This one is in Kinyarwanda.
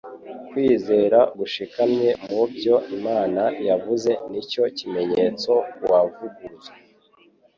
Kwizera gushikamye mu byo Imana yavuze nicyo kimenyetso kuavuguruzwa.